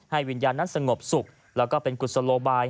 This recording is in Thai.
วิญญาณนั้นสงบสุขแล้วก็เป็นกุศโลบาย